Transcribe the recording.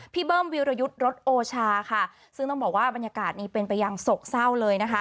เบิ้มวิรยุทธ์รถโอชาค่ะซึ่งต้องบอกว่าบรรยากาศนี้เป็นไปอย่างโศกเศร้าเลยนะคะ